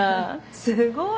すごい。